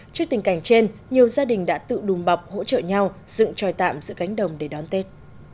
trước tình cảnh trên nhiều gia đình đã tự đùm bọc hỗ trợ nhau dựng tròi tạm giữ cánh đồng để đón tết